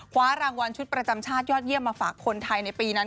คว้ารางวัลชุดประจำชาติยอดเยี่ยมมาฝากคนไทยในปีนั้น